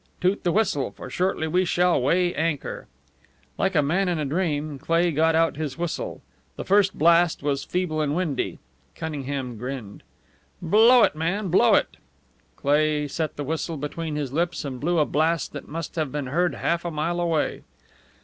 Toot the whistle, for shortly we shall weigh anchor." Like a man in a dream, Cleigh got out his whistle. The first blast was feeble and windy. Cunningham grinned. "Blow it, man, blow it!" Cleigh set the whistle between his lips and blew a blast that must have been heard half a mile away.